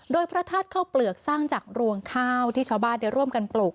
โดยพระธาตุข้าวเปลือกสร้างจากรวงข้าวที่ชาวบ้านได้ร่วมกันปลูก